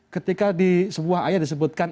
ketika di sebuah ayat disebutkan